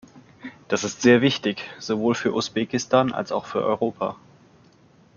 Das ist sehr wichtig, sowohl für Usbekistan als auch für Europa.